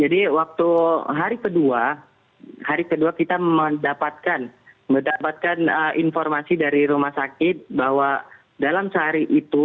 jadi waktu hari kedua hari kedua kita mendapatkan mendapatkan informasi dari rumah sakit bahwa dalam sehari itu